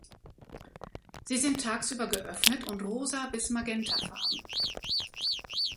Sie sind tagsüber geöffnet und rosa bis magentafarben.